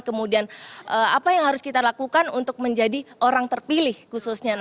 kemudian apa yang harus kita lakukan untuk menjadi orang terpilih khususnya